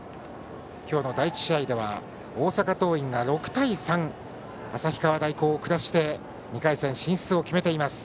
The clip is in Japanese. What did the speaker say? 今日の第１試合では大阪桐蔭が６対３で旭川大高を下して２回戦進出を決めています。